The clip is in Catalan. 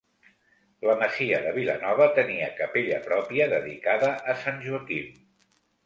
La Masia de Vilanova tenia capella pròpia, dedicada a Sant Joaquim.